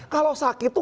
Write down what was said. kalau sakit tuh